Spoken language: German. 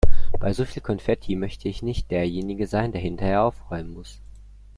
Bei so viel Konfetti möchte ich nicht derjenige sein, der hinterher aufräumen muss.